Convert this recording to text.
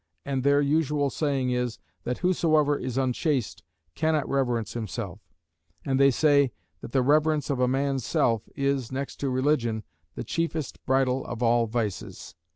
And their usual saying is, That whosoever is unchaste cannot reverence himself; and they say, That the reverence of a man's self, is, next to religion, the chiefest bridle of all vices."